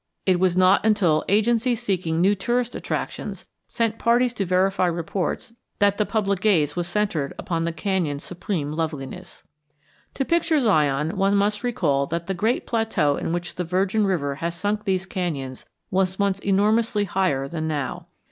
It was not until agencies seeking new tourist attractions sent parties to verify reports that the public gaze was centred upon the canyon's supreme loveliness. To picture Zion one must recall that the great plateau in which the Virgin River has sunk these canyons was once enormously higher than now.